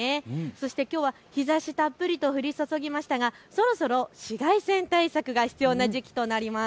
そしてきょうは日ざし、たっぷりと降り注ぎましたがそろそろ紫外線対策が必要な時期となります。